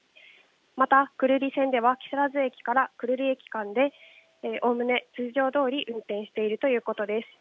また、久留里線では木更津駅から久留里駅間で、おおむね通常どおり運転しているということです。